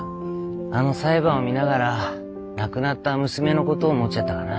あの裁判を見ながら亡くなった娘のことを思っちゃったかな。